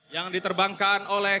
yang diterbangkan oleh